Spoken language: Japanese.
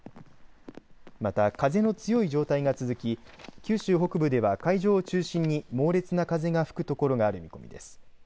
また、風の強い状態が続き九州北部では海上を中心に猛烈な風が吹くところがある見込みです。